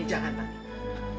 ini jangan marni